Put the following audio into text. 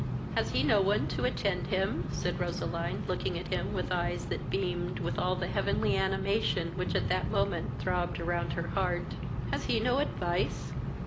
"Has he no one to attend him? (said Roseline, looking at him with eyes that beamed with all the heavenly animation which at that moment throbbed around her heart;) has he no advice?"